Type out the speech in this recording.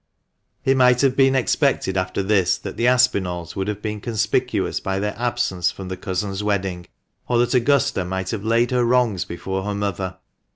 It might have been expected after this that the Aspinalls would have been conspicuous by their absence from the cousin's wedding, or that Augusta might have laid her wrongs before her mother.